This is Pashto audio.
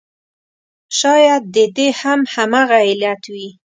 شاید د دې هم همغه علت وي.